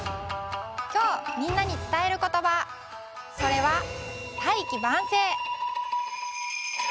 きょうみんなにつたえることばそれは「大器晩成」。